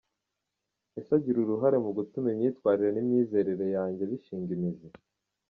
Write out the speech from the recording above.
Ese agira uruhare mu gutuma imyitwarire n’imyizerere yanjye bishinga imizi?.